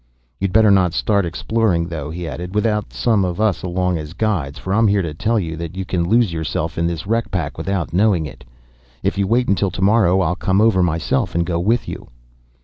"You'd better not start exploring, though," he added, "without some of us along as guides, for I'm here to tell you that you can lose yourself in this wreck pack without knowing it. If you wait until to morrow, I'll come over myself and go with you."